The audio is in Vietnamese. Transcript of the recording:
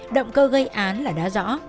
động cơ gây án là đã rõ